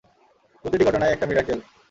প্রতিটা ঘটনাই একটা মিরাকেল।